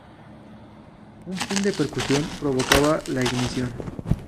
Un pin de percusión provocaba la ignición.